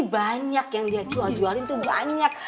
banyak yang dia jual jualin itu banyak